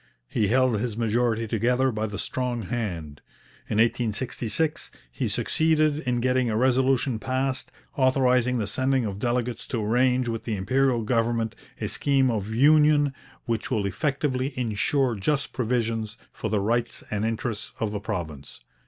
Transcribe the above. He held his majority together by the strong hand. In 1866 he succeeded in getting a resolution passed, authorizing the sending of 'delegates to arrange with the Imperial government a scheme of union which will effectively ensure just provisions for the rights and interests of the province.'